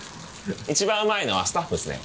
一番うまいのはスタッフですね。